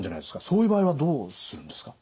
そういう場合はどうするんですか？